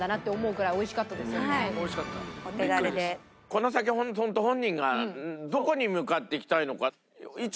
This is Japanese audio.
この先ホント本人がどこに向かっていきたいのか。